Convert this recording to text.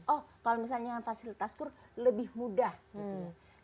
oh kalau misalnya dengan fasilitas kur lebih mudah gitu ya